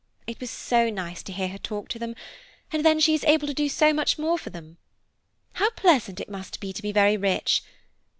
It was so nice to hear her talk to them, and then she is able to do so much for them. How pleasant it must be to be very rich.